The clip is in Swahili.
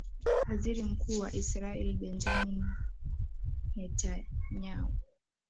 aziri mkuu wa israel benjamin netanyahu